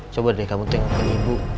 coba deh kamu tengin ibu